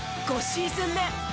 ５シーズン目。